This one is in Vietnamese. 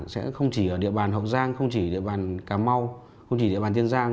sẽ không chỉ ở địa bàn hậu giang không chỉ địa bàn cà mau không chỉ địa bàn tiên giang